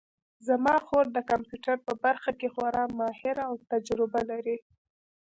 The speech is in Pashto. زما خور د کمپیوټر په برخه کې خورا ماهره او تجربه لري